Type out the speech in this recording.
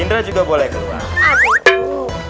indra juga boleh keluar